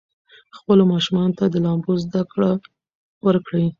خپلو ماشومانو ته د لامبو زده کړه ورکړئ.